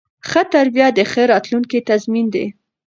ښه تربیه د ښه راتلونکي تضمین دی.